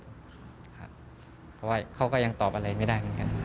เพราะว่าเขาก็ยังตอบอะไรไม่ได้เหมือนกัน